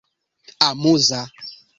amuza